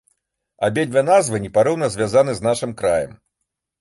Абедзве назвы непарыўна звязаны з нашым краем.